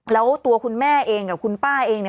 แล้วตัวคุณแม่เองกับคุณป้าเองเนี่ย